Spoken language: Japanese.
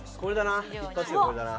これだな！